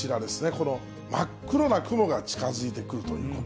この真っ黒な雲が近づいてくるということ。